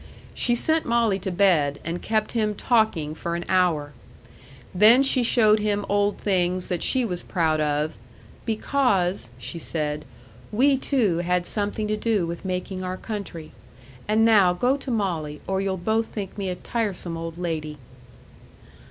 She sent Molly to bed, and kept him talking for an hour. Then she showed him old things that she was proud of, "because," she said, "we, too, had something to do with making our country. And now go to Molly, or you'll both think me a tiresome old lady."